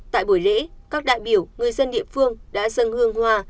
tại buổi lễ các đại biểu người dân địa phương đã dâng hương hoa